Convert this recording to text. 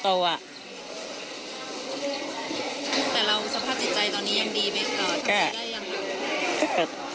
แต่เราสภาพใจใจตอนนี้ยังดีไหมครับ